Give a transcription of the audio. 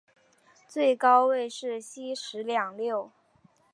最高位是西十两六。